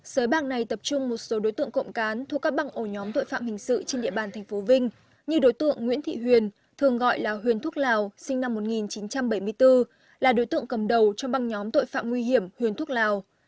sới bạc này tập trung một số đối tượng cộng cán thuộc các băng ổ nhóm tội phạm hình sự trên địa bàn tp vinh như đối tượng nguyễn thị huyền thường gọi là huyền thúc lào sinh năm một nghìn chín trăm bảy mươi bốn là đối tượng cầm đầu trong băng nhóm tội phạm nguy hiểm huyền thuốc lào